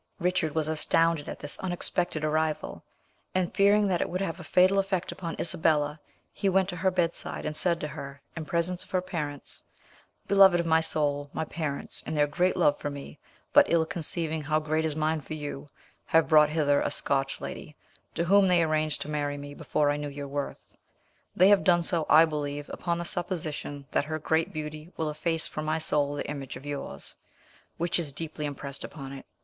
Richard was astounded at this unexpected arrival, and fearing that it would have a fatal effect upon Isabella, he went to her bedside, and said to her, in presence of her parents, "Beloved of my soul, my parents, in their great love for me, but ill conceiving how great is mine for you, have brought hither a Scotch lady, to whom they arranged to marry me before I knew your worth. They have done so, I believe, upon the supposition that her great beauty will efface from my soul the image of yours, which is deeply impressed upon it.